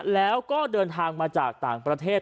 แล้วก็เดินทางมาจากต่างประเทศ